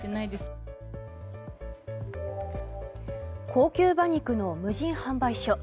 高級馬肉の無人販売所。